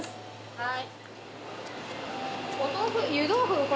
はい。